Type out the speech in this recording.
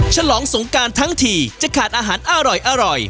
ฉลองสงการทั้งทีจะขาดอาหารอร่อย